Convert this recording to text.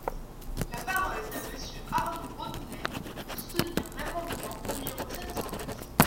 La parole est à Monsieur Arnaud Robinet, pour soutenir l’amendement numéro sept cent neuf.